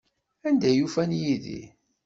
Anda ay ufan Yidir?